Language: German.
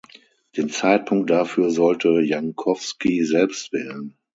Den Zeitpunkt dafür sollte Jankowski selbst wählen.